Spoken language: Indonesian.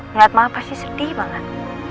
lihat mama pasti sedih banget